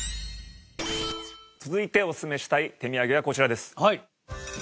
続いておすすめしたい手土産はこちらです。